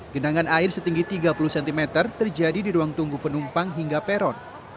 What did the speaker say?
genangan air setinggi tiga puluh cm terjadi di ruang tunggu penumpang hingga peron